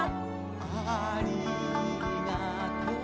「ありがとう」